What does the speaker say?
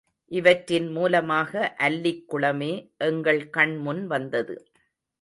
இவற்றின் மூலமாக அல்லிக்குளமே எங்கள் கண் முன் வந்தது.